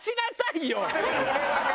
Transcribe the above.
それはね。